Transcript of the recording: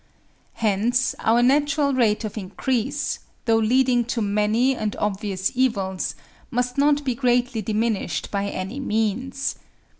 Hence our natural rate of increase, though leading to many and obvious evils, must not be greatly diminished by any means.